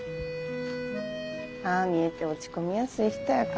ああ見えて落ち込みやすい人やからなあ。